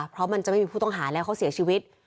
เพราะมันจะไม่มีผู้ต้องหาแล้วเขาเสียชีวิต